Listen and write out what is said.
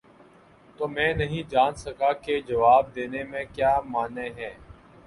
تو میں نہیں جان سکا کہ جواب دینے میں کیا مانع ہے؟